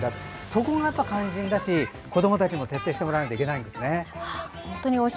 そこが肝心だし、子どもたちも徹底してもらわないといけないんですね。